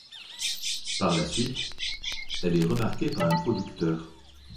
Par la suite, elle est remarquée par un producteur.